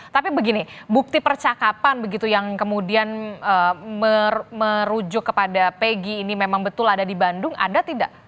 tapi begini bukti percakapan begitu yang kemudian merujuk kepada pegi ini memang betul ada di bandung ada tidak